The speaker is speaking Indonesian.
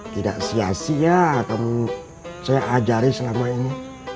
tidak sia sia akan saya ajari selama ini